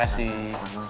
oh eh silahkan silahkan